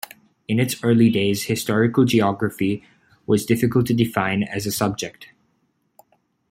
In its early days, historical geography was difficult to define as a subject.